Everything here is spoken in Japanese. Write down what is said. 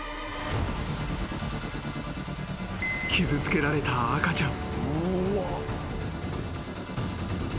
［傷つけられた赤ちゃん］